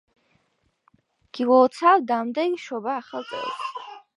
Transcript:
გილოცავ დამდეგ შობა-ახალ წელს.